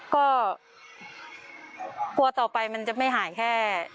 ของผู้ชายไม่เอาเลย